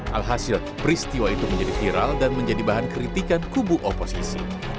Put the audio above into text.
alhasil peristiwa itu menjadi viral dan menjadi bahan kritikan kubu oposisi